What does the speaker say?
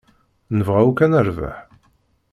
Nebɣa akk ad nerbeḥ.